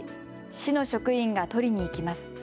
市の職員が取りに行きます。